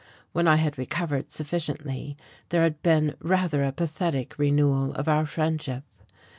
When I had recovered sufficiently there had been rather a pathetic renewal of our friendship.